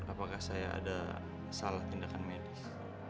apakah saya ada salah tindakan medis